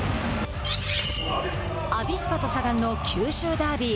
アビスパとサガンの九州ダービー。